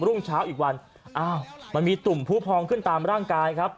รุ่งเช้าอีกวันอ้าวมันมีตุ่มผู้พองขึ้นตามร่างกายครับ